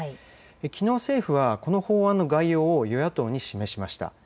きのう政府は、この法案の概要を与野党に示しました。